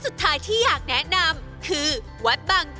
ก็จะเชิญชวนน้ำชมทางบ้านที่